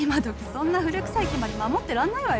そんな古くさい決まり守ってらんないわよ。